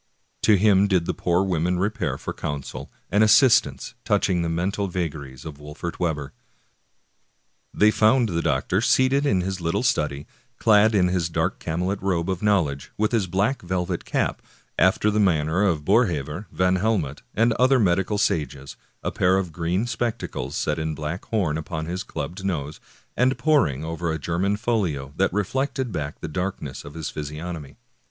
^ To him did the poor women repair for counsel and assist ance touching the mental vagaries of Wolfert Webber. They found the doctor seated in his little study, clad in his dark camlet ^ robe of knowledge, with his black velvet cap, after the manner of Boerhaave/ Van Helmont,* and other medical sages, a pair of green spectacles set in black horn upon his clubbed nose, and poring over a German folio that reflected back the darkness of his physiognomy.